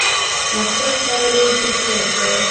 له خپل سره یې بوج لرې کړ.